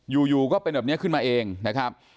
อยู่ก็เป็นแบบนี้ขึ้นมาเองนะครับ